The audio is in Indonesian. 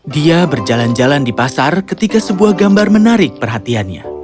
dia berjalan jalan di pasar ketika sebuah gambar menarik perhatiannya